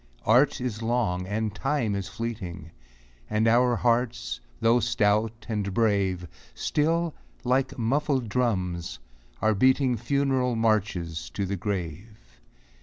Art is long, and Time is fleeting, And our hearts, though stout and brave, Still, like muffled drums, are beating Funeral marches to the grave.